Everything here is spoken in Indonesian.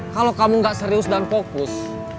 kalo kamu gak serius dan fokus